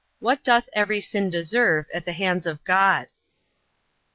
What doth every sin deserve at the hands of God?